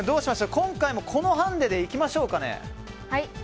今回もこのハンデでいきましょうかね？